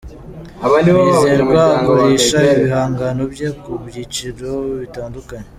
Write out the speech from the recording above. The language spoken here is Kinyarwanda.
Mwizerwa agurisha ibihangano bye ku biciro bitandukanye.